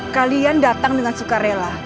kalian datang dengan sukarela